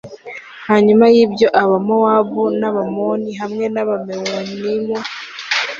Hanyuma yibyo Abamowabu nAbamoni hamwe nAbamewunimu